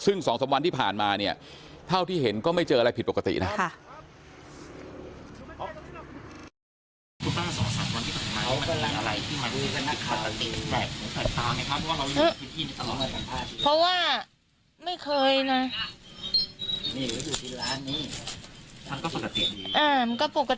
ซึ่ง๒๓วันที่ผ่านมาเนี่ยเท่าที่เห็นก็ไม่เจออะไรผิดปกตินะ